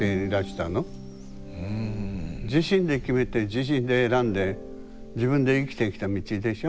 自身で決めて自身で選んで自分で生きてきた道でしょ？